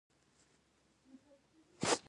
د میټرو سیستم په ډیرو ښارونو کې شته.